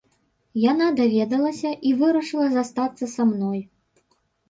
Яна даведалася і вырашыла застацца са мной.